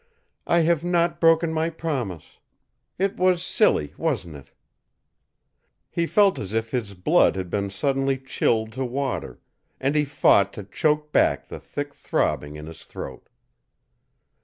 "I have not broken my promise. It was silly, wasn't it?" He felt as if his blood had been suddenly chilled to water, and he fought to choke back the thick throbbing in his throat.